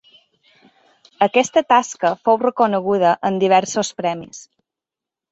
Aquesta tasca fou reconeguda amb diversos premis.